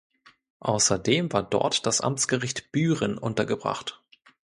Außerdem war dort das Amtsgericht Büren untergebracht.